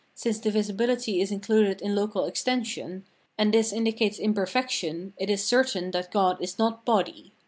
"] since divisibility is included in local extension, and this indicates imperfection, it is certain that God is not body.